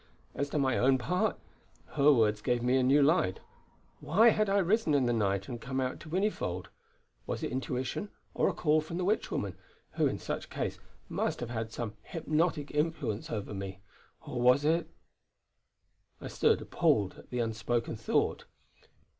As to my own part! Her words gave me a new light. Why had I risen in the night and come out to Whinnyfold? Was it intuition, or a call from the witch woman, who in such case must have had some hypnotic influence over me? Or was it ? I stood appalled at the unspoken thought.